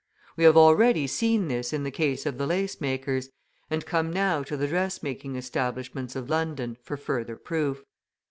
We have already seen this in the case of the lacemakers, and come now to the dressmaking establishments of London for further proof.